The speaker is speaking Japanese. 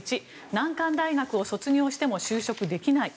１、難関大学を卒業しても就職できない。